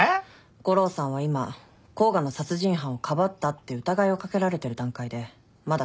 悟郎さんは今甲賀の殺人犯をかばったって疑いを掛けられてる段階でまだ確たる証拠がないから。